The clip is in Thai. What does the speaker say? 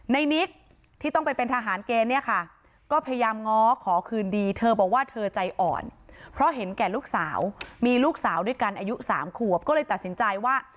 นิกที่ต้องไปเป็นทหารเกณฑ์เนี่ยค่ะก็พยายามง้อขอคืนดีเธอบอกว่าเธอใจอ่อนเพราะเห็นแก่ลูกสาวมีลูกสาวด้วยกันอายุ๓ขวบก็เลยตัดสินใจว่า